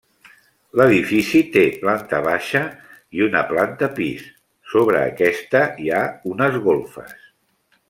L'edifici té planta baixa i una planta pis, sobre aquesta hi ha unes golfes.